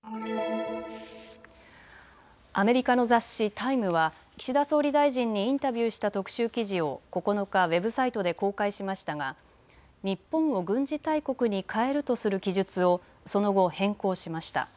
アメリカの雑誌、タイムは岸田総理大臣にインタビューした特集記事を９日、ウェブサイトで公開しましたが日本を軍事大国に変えるとする記述をその後、変更しました。